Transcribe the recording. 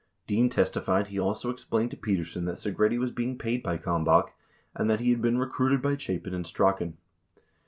Dean testified he also ex plained to Petersen that Segretti was being paid by Kalmbach, and that he had been recruited by Chapin and Strachan.